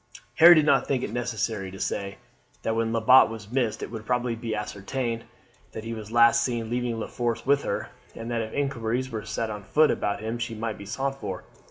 Harry did not think it necessary to say, that when Lebat was missed it would probably be ascertained that he was last seen leaving La Force with her, and that if inquiries were set on foot about him she might be sought for.